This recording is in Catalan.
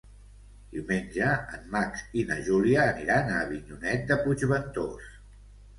Diumenge en Max i na Júlia aniran a Avinyonet de Puigventós.